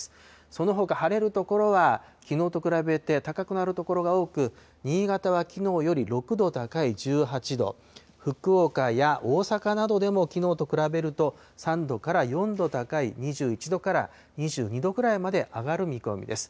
そのほか晴れる所はきのうと比べて高くなる所が多く、新潟はきのうより６度高い１８度、福岡や大阪などでもきのうと比べると３度から４度高い２１度から２２度くらいまで上がる見込みです。